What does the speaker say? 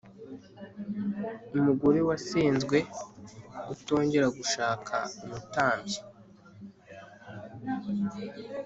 umugore wasenzwe utongera gushaka umutambyi